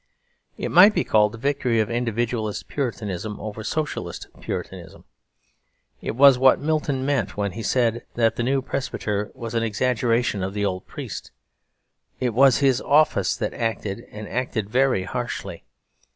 It might be called the victory of Individualist Puritanism over Socialist Puritanism. It was what Milton meant when he said that the new presbyter was an exaggeration of the old priest; it was his office that acted, and acted very harshly.